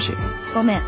ごめん。